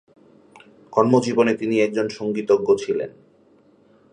কর্মজীবনে তিনি একজন সংগীতজ্ঞ ছিলেন।